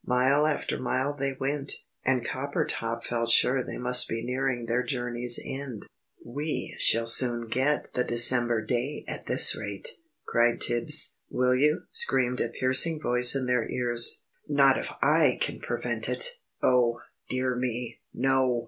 Mile after mile they went, and Coppertop felt sure they must be nearing their journey's end. "We shall soon get the December day at this rate!" cried Tibbs. "Will you?" screamed a piercing voice in their ears. "Not if I can prevent it! Oh, dear me, no!"